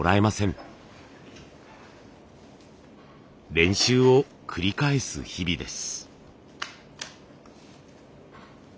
練習を繰り返す日々です。